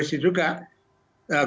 khusus untuk masyarakat yang berat